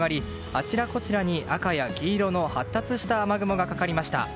あちらこちらに赤や黄色の発達した雨雲がかかりました。